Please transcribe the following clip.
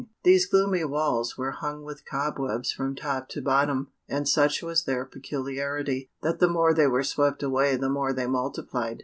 These gloomy walls were hung with cobwebs from top to bottom, and such was their peculiarity, that the more they were swept away the more they multiplied.